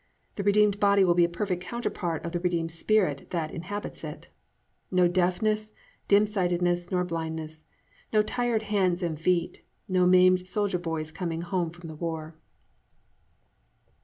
The redeemed body will be a perfect counterpart of the redeemed spirit that inhabits it. No deafness, dimsightedness nor blindness, no tired hands and feet, no maimed soldier boys coming home from the war.